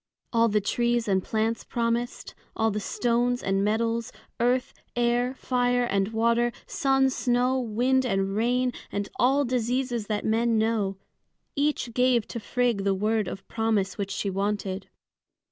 All the trees and plants promised; all the stones and metals; earth, air, fire, and water; sun, snow, wind, and rain, and all diseases that men know, each gave to Frigg the word of promise which she wanted.